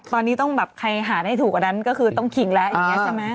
ตอนนี้ต้องแบบใครหาได้ถูกกว่านั้นก็คือต้องคิงแล้วอย่างนี้ใช่ไหม